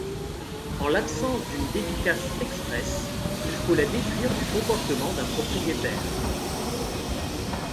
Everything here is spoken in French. En l'absence d'une dédicace expresse, il faut la déduire du comportement d'un propriétaire.